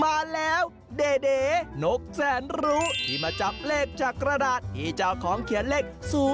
มาแล้วเด่นกแสนรู้ที่มาจับเลขจากกระดาษที่เจ้าของเขียนเลข๐